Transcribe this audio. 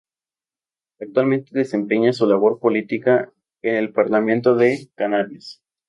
Actualmente desempeña su labor política en el Parlamento de Canarias.